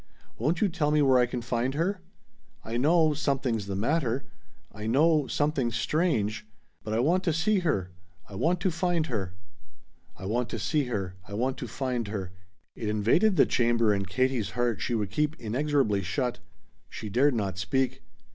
Won't you tell me where I can find her? I know something's the matter. I know something's strange. But I want to see her! I want to find her!" "I want to see her! I want to find her!" It invaded the chamber in Katie's heart she would keep inexorably shut. She dared not speak.